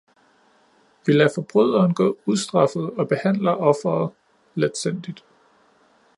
Vi lader forbryderen gå ustraffet og behandler ofret letsindigt.